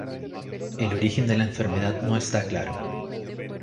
El origen de la enfermedad no está claro.